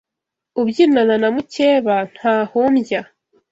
Ubyinana na mucyeba ntahumbya